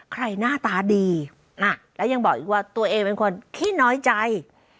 หน้าตาดีแล้วยังบอกอีกว่าตัวเองเป็นคนขี้น้อยใจ